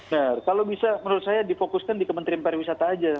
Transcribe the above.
nah kalau bisa menurut saya difokuskan di kementerian pariwisata aja